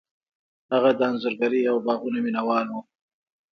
هغه د انځورګرۍ او باغونو مینه وال و.